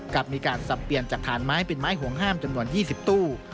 กับมีการสับเปลี่ยนจากฐานไม้เป็นไม้ห่วงห้ามจำนวน๒๐ตู้